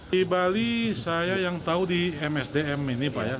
di bali saya yang tahu di msdm ini pak ya